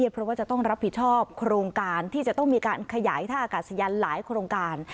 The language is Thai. เพราะว่าจะต้องรับผิดชอบโครงการที่จะต้องมีการขยายท่าอากาศยานหลายโครงการ